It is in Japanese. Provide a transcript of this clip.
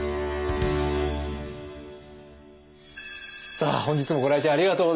さあ本日もご来店ありがとうございます。